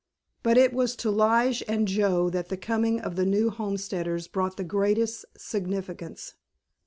But it was to Lige and Joe that the coming of the new homesteaders brought the greatest significance.